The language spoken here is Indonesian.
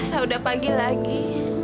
gak kerasa udah pagi lagi